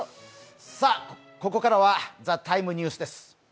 ここからは「ＴＨＥＴＩＭＥ，ニュース」です。